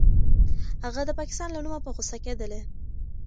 هغه د پاکستان له نومه په غوسه کېده.